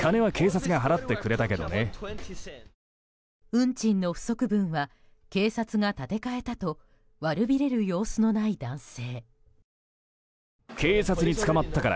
運賃の不足分は警察が立て替えたと悪びれる様子のない男性。